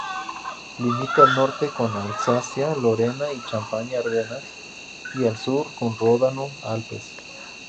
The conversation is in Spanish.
Limita al norte con Alsacia, Lorena y Champaña-Ardenas y al sur, con Ródano-Alpes.